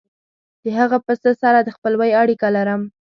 د هغه پسه سره د خپلوۍ اړیکه لرم.